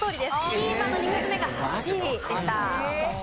ピーマンの肉詰めが８位でした。